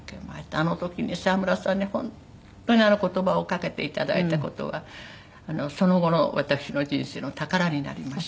あの時に沢村さんに本当にあの言葉をかけていただいた事はその後の私の人生の宝になりました。